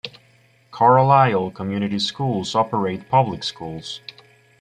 Carlisle Community Schools operates public schools.